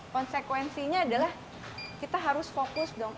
konsekuensinya adalah kita harus fokus dong